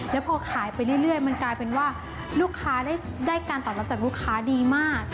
แล้วพอขายไปเรื่อยมันกลายเป็นว่าลูกค้าได้การตอบรับจากลูกค้าดีมาก